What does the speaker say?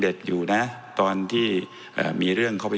ก็คือไปร้องต่อสารปกครองกลาง